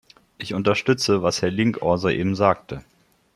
Ich unterstütze, was Herr Linkohr soeben sagte.